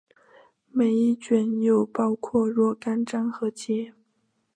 每一卷又包括若干章和节。